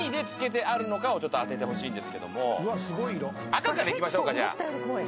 赤からいきましょうか。